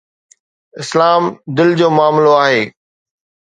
اسلام دل جو معاملو آهي.